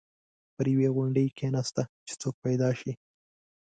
پر یوې غونډۍ کېناسته چې څوک پیدا شي.